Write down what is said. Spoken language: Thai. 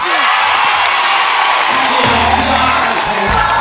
ร้องได้ครับ